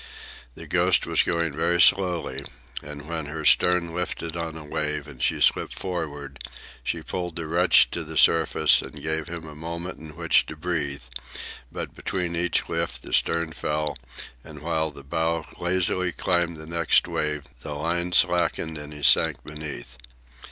The Ghost was going very slowly, and when her stern lifted on a wave and she slipped forward she pulled the wretch to the surface and gave him a moment in which to breathe; but between each lift the stern fell, and while the bow lazily climbed the next wave the line slacked and he sank beneath.